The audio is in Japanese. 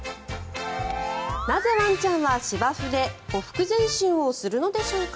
なぜワンちゃんは芝生でほふく前進をするのでしょうか。